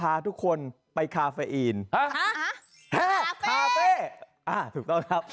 อ้าวไม่ใช่หรอครับ